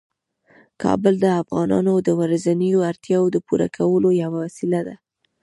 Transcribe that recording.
کابل د افغانانو د ورځنیو اړتیاوو د پوره کولو یوه وسیله ده.